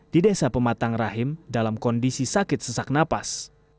di desa pematang rahim dalam kondisi sakit sesak napas